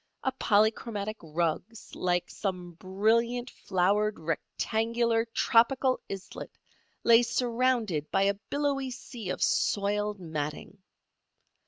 A polychromatic rug like some brilliant flowered rectangular, tropical islet lay surrounded by a billowy sea of soiled matting.